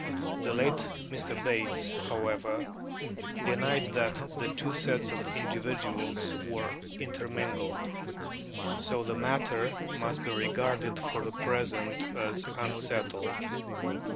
The late Mr. Bates, however, denied that the two sets of individuals were intermingled, so the matter must be regarded for the present as unsettled.